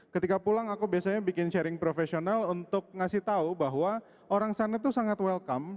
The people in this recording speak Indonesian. ketika pulang aku biasanya bikin sharing profesional untuk ngasih tahu bahwa orang sana tuh sangat welcome